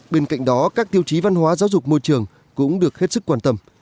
bên cạnh đó các tiêu chí văn hóa giáo dục môi trường cũng được hết sức quan tâm